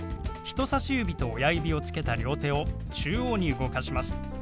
人さし指と親指をつけた両手を中央に動かします。